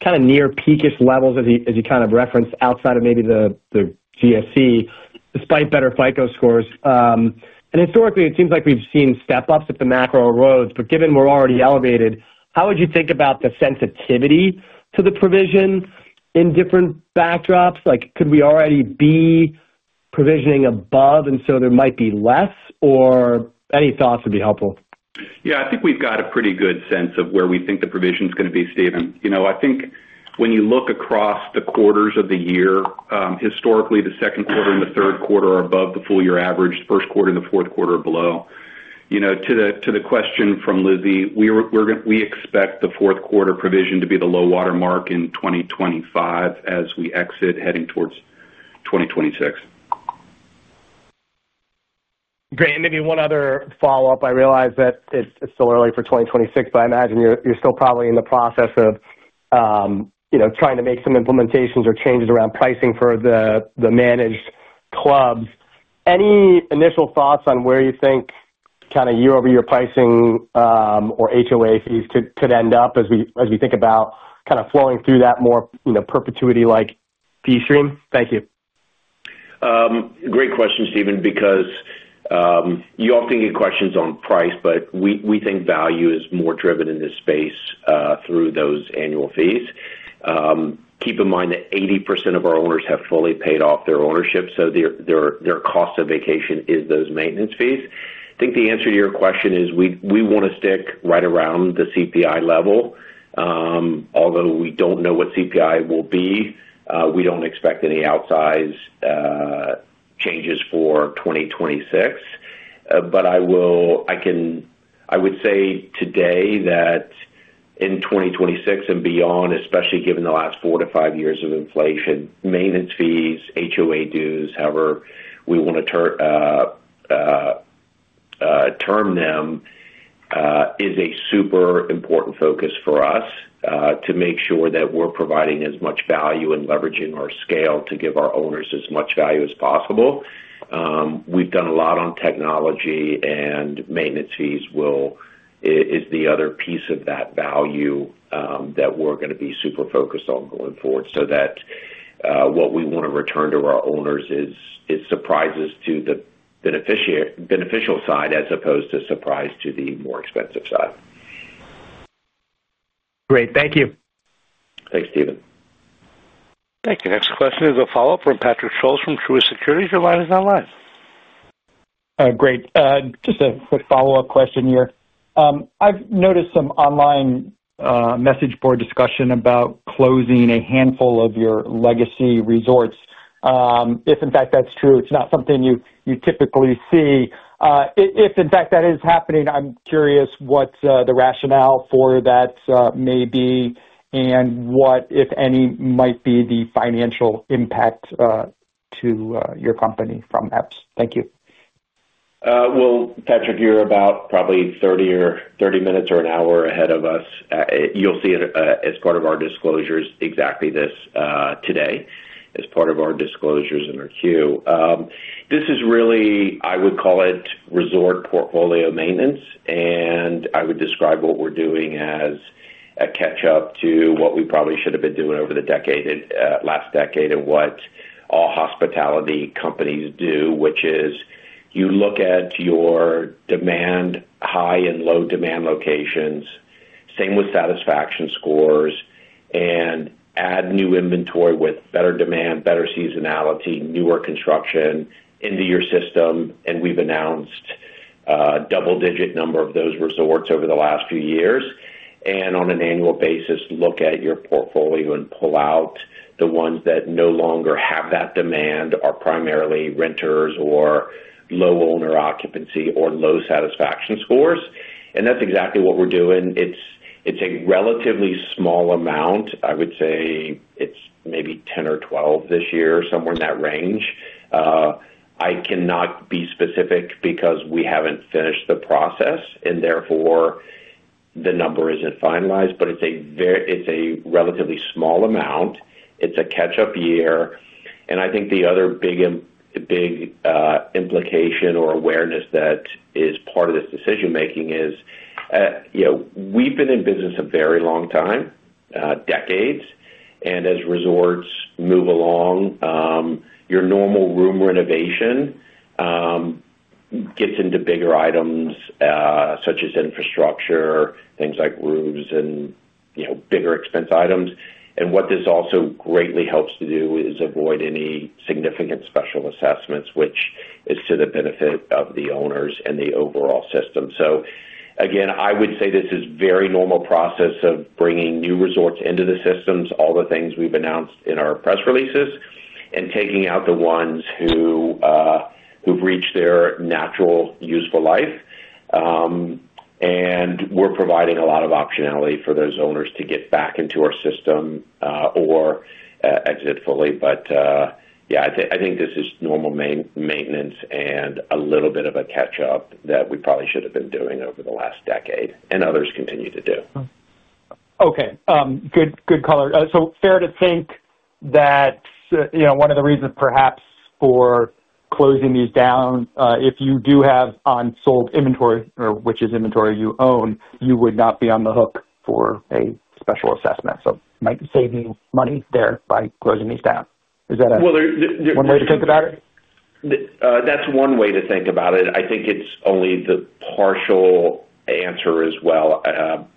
kind of near peakish levels, as you referenced, outside of maybe the GSC, despite better FICO scores. Historically, it seems like we've seen step-ups if the macro erodes. Given we're already elevated, how would you think about the sensitivity to the provision in different backdrops? Could we already be provisioning above and so there might be less, or any thoughts would be helpful? Yeah, I think we've got a pretty good sense of where we think the provision is going to be, Stephen. I think when you look across the quarters of the year, historically, the second quarter and the third quarter are above the full-year average. The first quarter and the fourth quarter are below. To the question from Lizzie, we expect the fourth quarter provision to be the low watermark in 2025 as we exit heading towards 2026. Great. Maybe one other follow-up. I realize that it's still early for 2026, but I imagine you're still probably in the process of trying to make some implementations or changes around pricing for the managed clubs. Any initial thoughts on where you think kind of year-over-year pricing or HOA fees could end up as we think about kind of flowing through that more perpetuity-like fee stream? Thank you. Great question, Stephen, because you often get questions on price, but we think value is more driven in this space through those annual fees. Keep in mind that 80% of our owners have fully paid off their ownership, so their cost of vacation is those maintenance fees. I think the answer to your question is we want to stick right around the CPI level. Although we don't know what CPI will be, we don't expect any outsized changes for 2026. I would say today that in 2026 and beyond, especially given the last four to five years of inflation, maintenance fees, HOA dues, however we want to term them, is a super important focus for us to make sure that we're providing as much value and leveraging our scale to give our owners as much value as possible. We've done a lot on technology, and maintenance fees is the other piece of that value that we're going to be super focused on going forward so that what we want to return to our owners is surprises to the beneficial side as opposed to surprise to the more expensive side. Great, thank you. Thanks, Stephen. Thank you. Next question is a follow-up from Patrick Scholes from Truist Securities. Your line is now live. Great. Just a quick follow-up question here. I've noticed some online message board discussion about closing a handful of your legacy resorts. If, in fact, that's true, it's not something you typically see. If, in fact, that is happening, I'm curious what the rationale for that may be and what, if any, might be the financial impact to your company from apps. Thank you. Patrick, you're about probably 30 or 30 minutes or an hour ahead of us. You'll see it as part of our disclosures exactly this today as part of our disclosures and our queue. This is really, I would call it, resort portfolio maintenance. I would describe what we're doing as a catch-up to what we probably should have been doing over the last decade and what all hospitality companies do, which is you look at your high and low demand locations, same with satisfaction scores, and add new inventory with better demand, better seasonality, newer construction into your system. We've announced a double-digit number of those resorts over the last few years. On an annual basis, look at your portfolio and pull out the ones that no longer have that demand, are primarily renters or low owner occupancy or low satisfaction scores. That's exactly what we're doing. It's a relatively small amount. I would say it's maybe 10 or 12 this year, somewhere in that range. I cannot be specific because we haven't finished the process, and therefore, the number isn't finalized. It's a relatively small amount. It's a catch-up year. I think the other big implication or awareness that is part of this decision-making is, you know, we've been in business a very long time, decades. As resorts move along, your normal room renovation gets into bigger items such as infrastructure, things like rooms and bigger expense items. What this also greatly helps to do is avoid any significant special assessments, which is to the benefit of the owners and the overall system. I would say this is a very normal process of bringing new resorts into the systems, all the things we've announced in our press releases, and taking out the ones who've reached their natural useful life. We're providing a lot of optionality for those owners to get back into our system or exit fully. I think this is normal maintenance and a little bit of a catch-up that we probably should have been doing over the last decade and others continue to do. Okay. Good color. Is it fair to think that one of the reasons perhaps for closing these down, if you do have on-sold inventory, or which is inventory you own, you would not be on the hook for a special assessment? It might save you money there by closing these down. Is that one way to think about it? That's one way to think about it. I think it's only the partial answer as well.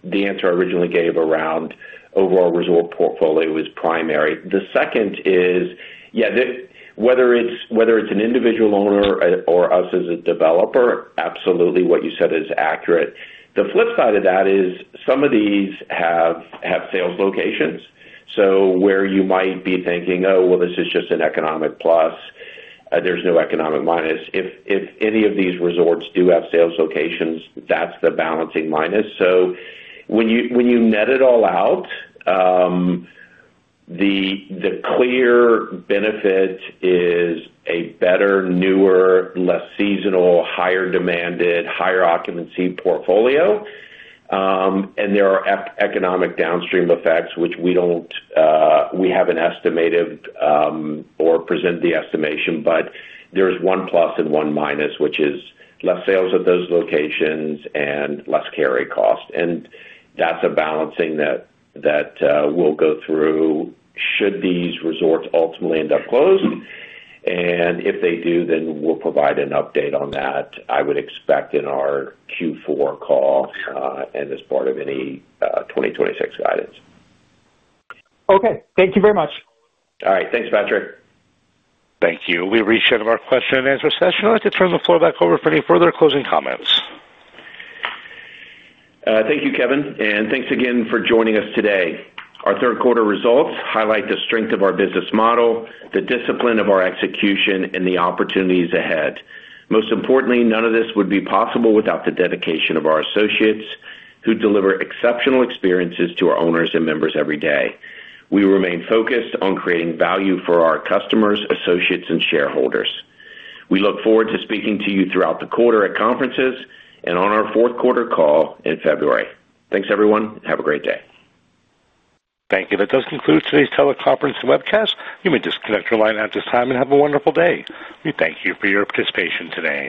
The answer I originally gave around overall resort portfolio is primary. The second is, yeah, whether it's an individual owner or us as a developer, absolutely what you said is accurate. The flip side of that is some of these have sales locations. You might be thinking, "Oh, well, this is just an economic plus. There's no economic minus." If any of these resorts do have sales locations, that's the balancing minus. When you net it all out, the clear benefit is a better, newer, less seasonal, higher demanded, higher occupancy portfolio. There are economic downstream effects, which we don't, we haven't estimated or presented the estimation, but there's one plus and one minus, which is less sales at those locations and less carry cost. That's a balancing that we'll go through should these resorts ultimately end up closed. If they do, then we'll provide an update on that, I would expect in our Q4 call and as part of any 2026 guidance. Okay, thank you very much. All right. Thanks, Patrick. Thank you. We appreciate our question and answer session. I'd like to turn the floor back over for any further closing comments. Thank you, Kevin. Thank you again for joining us today. Our third quarter results highlight the strength of our business model, the discipline of our execution, and the opportunities ahead. Most importantly, none of this would be possible without the dedication of our associates who deliver exceptional experiences to our owners and members every day. We remain focused on creating value for our customers, associates, and shareholders. We look forward to speaking to you throughout the quarter at conferences and on our fourth quarter call in February. Thanks, everyone. Have a great day. Thank you. That does conclude today's teleconference and webcast. You may disconnect your line at this time and have a wonderful day. We thank you for your participation today.